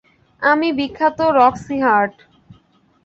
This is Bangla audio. আমি বিখ্যাত রক্সি হার্ট।